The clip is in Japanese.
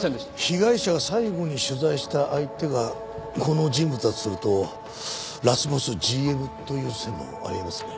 被害者が最後に取材した相手がこの人物だとするとラスボスＧＭという線もあり得ますね。